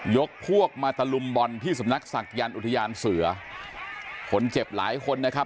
ยกพวกมาตะลุมบอลที่สำนักศักยันต์อุทยานเสือคนเจ็บหลายคนนะครับ